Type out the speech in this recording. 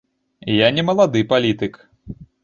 Я не малады палітык!